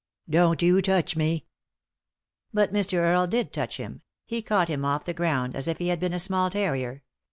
Don't you touch mel" But Mr. Earle did touch him. He caught him off the ground as if he bad been a small terrier.